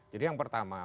jadi yang pertama